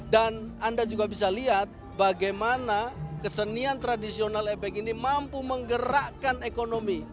dan anda juga bisa lihat bagaimana kesenian tradisional ebek ini mampu menggerakkan ekonomi